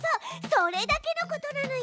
それだけのことなのよ。